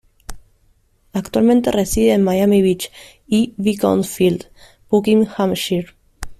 Actualmente reside en Miami Beach y Beaconsfield, Buckinghamshire.